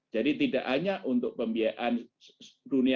jadi tidak hanya untuk pembiayaan dunia